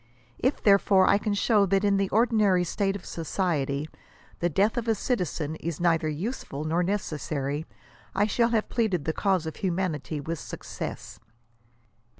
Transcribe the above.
If therefore I can show that in the ordinary state of society, the death of a citizen is neither useful nor necessary, I shall have pleaded the cause of humanity with success."